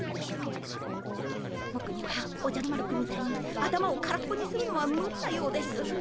ぼくにはおじゃる丸くんみたいに頭を空っぽにするのはむりなようです。